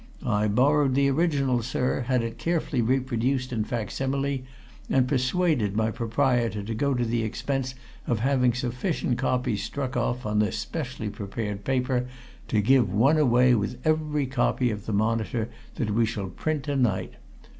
I borrowed the original, sir, had it carefully reproduced in facsimile, and persuaded my proprietor to go to the expense of having sufficient copies struck off on this specially prepared paper to give one away with every copy of the Monitor that we shall print to night.